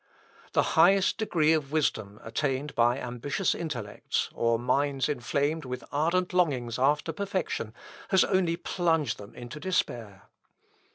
The highest degree of wisdom attained by ambitious intellects, or minds inflamed with ardent longings after perfection, has only plunged them into despair.